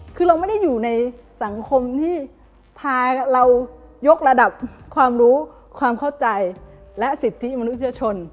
คือเราไม่ได้อยู่ในสังคมที่พาเรายกระดับความรู้ความเข้าใจและสิทธิมนุษยชน